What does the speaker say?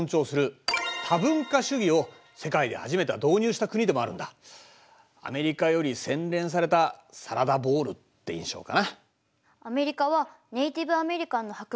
ただカナダはアメリカより洗練されたサラダボウルって印象かな。